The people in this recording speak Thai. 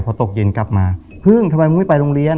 พอตกเย็นกลับมาพึ่งทำไมมึงไม่ไปโรงเรียน